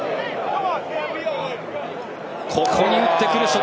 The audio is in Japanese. ここに打ってくる！